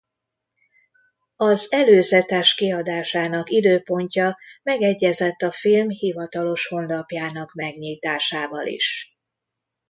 Az előzetes kiadásának időpontja megegyezett a film hivatalos honlapjának megnyitásával is.